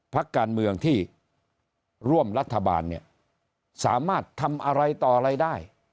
พักการเมืองที่ร่วมรัฐบาลเนี่ยสามารถทำอะไรต่ออะไรได้